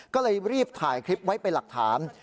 ก็เลยรีบถ่ายคลิปไว้เป็นหลักฐาน